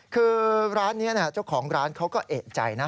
คือร้านนี้เจ้าของร้านเขาก็เอกใจนะ